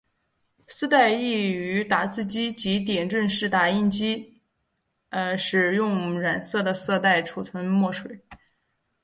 丝带亦于打字机及点阵式打印机使用染色的色带储存墨水。